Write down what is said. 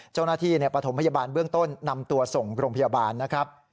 เจ้าหน้าที่ปฐมพยาบาลเบื้องต้นนำตัวส่งกรงพยาบาลนะครับ